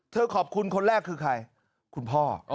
เธอขอบคุณคนแรกคือใครคุณพ่ออ่อ